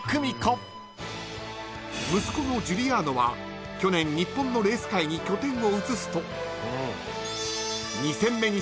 ［息子のジュリアーノは去年日本のレース界に拠点を移すと］